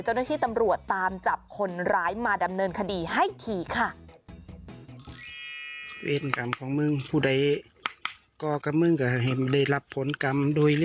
เจ้าหน้าที่ตำรวจตามจับคนร้ายมาดำเนินคดีให้ทีค่ะ